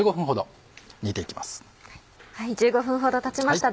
１５分ほどたちました。